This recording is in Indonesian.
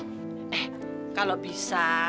eh kalau bisa